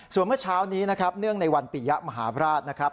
ส่วนเมื่อเช้านี้นะครับเนื่องในวันปียะมหาบราชนะครับ